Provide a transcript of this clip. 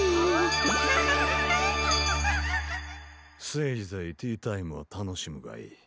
せいぜいティータイムをたのしむがいい。